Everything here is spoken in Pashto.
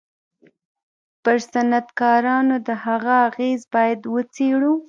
پر صنعتکارانو د هغه اغېز بايد و څېړو.